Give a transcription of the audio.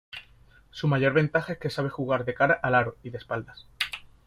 Su mayor ventaja es que sabe jugar de cara al aro y de espaldas.